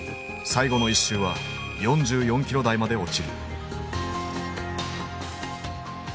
最後の１周は４４キロ台まで落ちる。